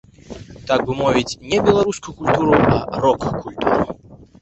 Так бы мовіць, не беларускую культуру, а рок-культуру.